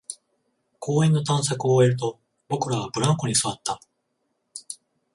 公園の探索を終えると、僕らはブランコに座った